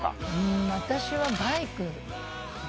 私はバイクで。